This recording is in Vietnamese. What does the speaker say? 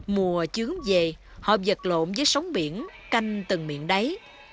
mùa chướng về họ vật lộn với sóng biển canh từng miệng đáy